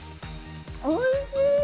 おいしい！